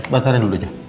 batalkan dulu aja